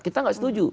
kita nggak setuju